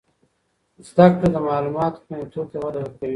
زده کړه د معلوماتو خوندیتوب ته وده ورکوي.